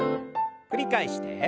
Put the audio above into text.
繰り返して。